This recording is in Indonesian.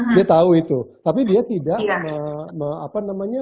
dia tahu itu tapi dia tidak menjalah gunanya